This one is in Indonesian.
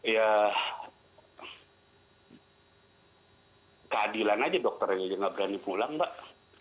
ya keadilan saja dokternya dia tidak berani pulang mbak